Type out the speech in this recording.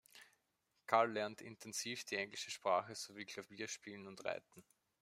Karl lernt intensiv die englische Sprache sowie Klavierspielen und Reiten.